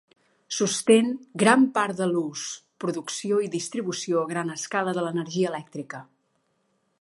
Sostén gran part de l'ús, producció i distribució a gran escala de l'energia elèctrica.